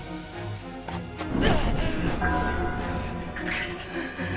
くっ！